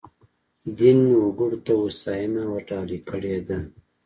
دین وګړو ته هوساینه ورډالۍ کړې ده.